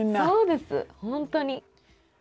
そうですほんとに。